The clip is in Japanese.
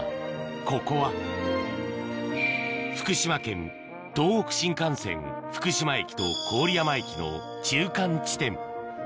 ここは福島県東北新幹線福島駅と郡山駅の中間地点